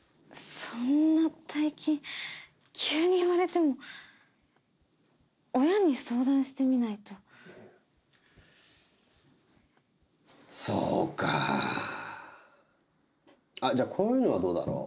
そんな大金急に言われても親に相談してみないとそうかあっじゃあこういうのはどうだろう？